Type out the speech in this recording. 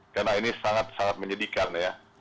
karena ini sangat sangat menyedihkan ya